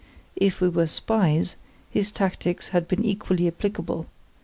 If we were spies, his tactics had been equally applicable.